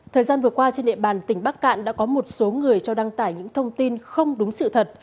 thời gian vừa qua trên địa bàn tỉnh bắc cạn đã có một số người cho đăng tải những thông tin không đúng sự thật